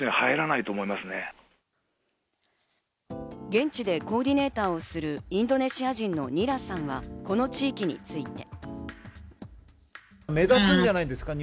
現地でコーディネーターをするインドネシア人のニラさんはこの地域について。